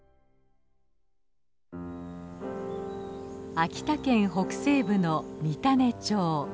秋田県北西部の三種町。